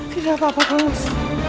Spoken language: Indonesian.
tidak apa apa kang mas